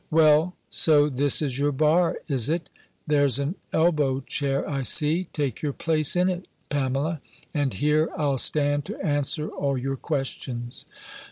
"Well, so, this is your bar, is it? There's an elbow chair, I see; take your place in it, Pamela, and here I'll stand to answer all your questions."